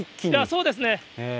そうですね。